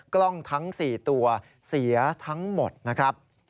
กล้องทั้ง๔ตัวเสียทั้งหมดนะครับ